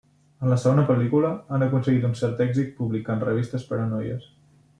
En la segona pel·lícula, han aconseguit cert èxit publicant revistes per a noies.